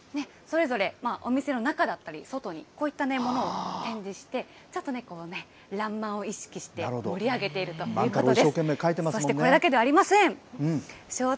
植物画、それぞれお店の中だったり、外に、こういったものを展示して、ちょっとね、らんまんを意識して盛り上げているということです。